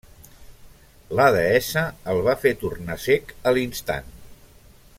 La deessa el va fer tornar cec a l'instant.